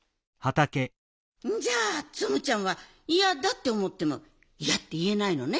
じゃあツムちゃんはいやだっておもってもいやっていえないのね？